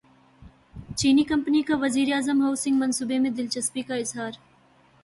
چینی کمپنی کا وزیر اعظم ہاسنگ منصوبے میں دلچسپی کا اظہار